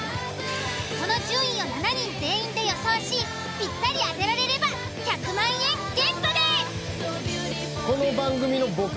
その順位を７人全員で予想しぴったり当てられれば１００万円ゲットです。